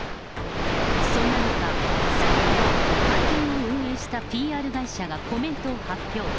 そんな中、先ほど、会見を運営したＰＲ会社がコメントを発表。